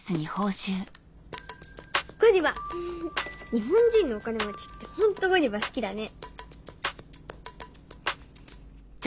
日本人のお金持ちってホントゴディバ好きだね。